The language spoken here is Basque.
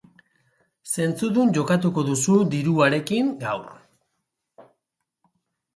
Zentzudun jokatuko duzu diruarekin gaur.